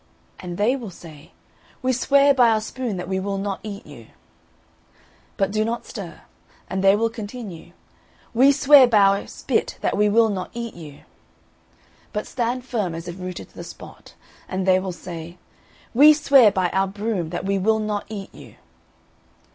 And they will say, We swear by our spoon that we will not eat you!' But do not stir; and they will continue, We swear by our spit that we will not eat you!' But stand firm, as if rooted to the spot; and they will say, We swear by our broom that we will not eat you!'